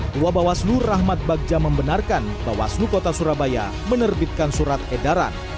tua bawaslu rahmat bagja membenarkan bawaslu kota surabaya menerbitkan surat edaran